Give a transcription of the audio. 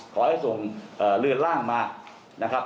ขอให้ส่งเรือนร่างมานะครับ